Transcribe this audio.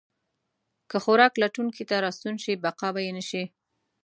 که خوراک لټونکي ته راستون شي، بقا به یې نه شي.